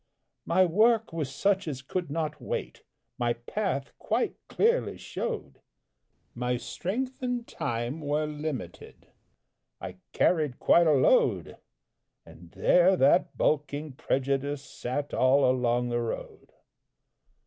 My work was such as could not wait, My path quite clearly showed; My strength and time were limited; I carried quite a load, And there that bulking Prejudice Sat all along the road.